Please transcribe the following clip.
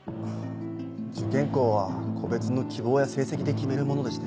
受験校は個別の希望や成績で決めるものでして。